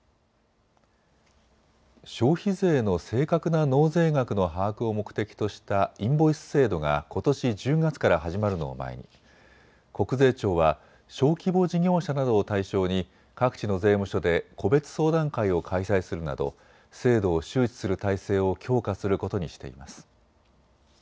消費税の正確な納税額の把握を目的としたインボイス制度がことし１０月から始まるのを前に国税庁は小規模事業者などを対象に各地の税務署で個別相談会を開催するなど制度を周知する体制を強化することにしています。